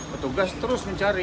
bertugas terus mencari